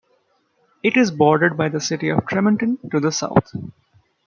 It is bordered by the city of Tremonton to the south.